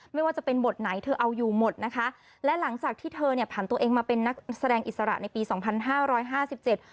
ไม่ว่าจะเป็นบทไหนเธอเอาอยู่หมดนะคะและหลังจากที่เธอเนี่ยผ่านตัวเองมาเป็นนักแสดงอิสระในปีสองพันห้าร้อยห้าสิบเจ็ด